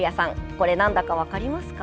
これ、なんだか分かりますか？